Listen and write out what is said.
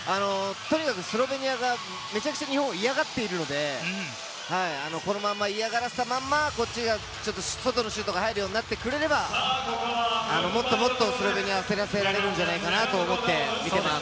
スロベニアがめちゃくちゃ日本を嫌がっているので、このまま嫌がらせたまま、こちらが外のシュートが入るようになってくれば、もっとスロベニアを焦らせられるのではないかと思います。